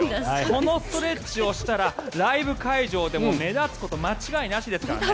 このストレッチをしたらライブ会場でも目立つこと間違いなしですからね。